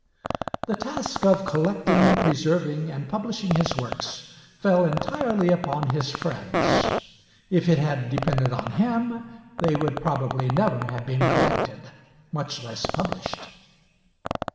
The task of collecting, preserving, and publishing his works fell entirely upon his friends; if it had depended on him, they would probably never have been collected, much less published.